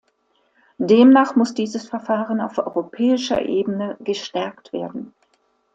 Demnach muss dieses Verfahren auf europäischer Ebene gestärkt werden.